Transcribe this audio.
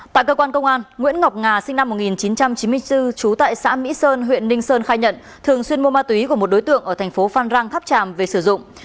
tại cơ quan công an nguyễn ngọc nga sinh năm một nghìn chín trăm chín mươi bốn trú tại xã mỹ sơn huyện ninh sơn khai nhận thường xuyên mua ma túy của một đối tượng ở thành phố phan rang tháp tràm về sử dụng